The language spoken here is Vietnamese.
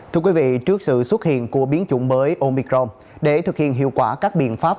thưa quý vị trước sự xuất hiện của biến chủng mới omicrom để thực hiện hiệu quả các biện pháp